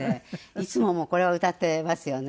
いつもこれは歌ってますよね。